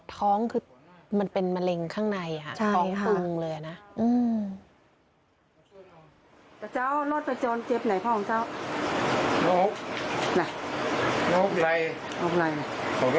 ท้องคือมันเป็นมะเร็งข้างในค่ะ